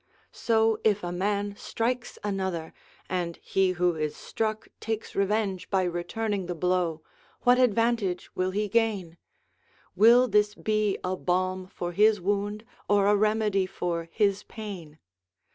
So if a man strikes another, and he who is struck takes revenge by returning the blow, what advantage will he gain ? Will this be a balm for his wound or a remedy for his pain?